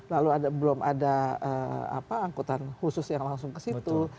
lalu belum ada angkutan khusus yang langsung ke situ